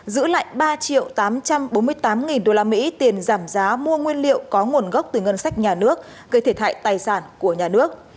giữ lại ba triệu tám trăm bốn mươi tám nghìn đô la mỹ tiền giảm giá mua nguyên liệu có nguồn gốc từ ngân sách nhà nước gây thiệt hại tài sản của nhà nước